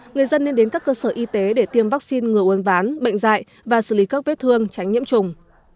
người dân nên đến các cơ sở y tế để tiêm vaccine ngừa uốn ván bệnh dạy và xử lý các vết thương tránh nhiễm trùng